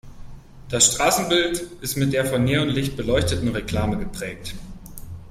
Das Straßenbild ist von der mit Neonlicht beleuchteten Reklame geprägt.